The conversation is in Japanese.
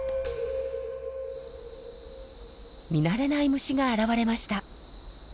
見慣れない虫が現れました。